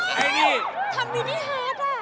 ทำมินี่ฮาร์ดอะ